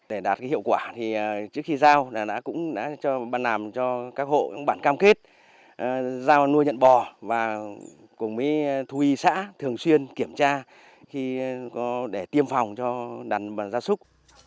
để đạt hiệu quả thì trước khi giao bà làm cho các hộ bản cam kết giao nuôi nhận bò và cùng với thú y xã thường xuyên kiểm tra để tiêm phòng cho đàn bò gia súc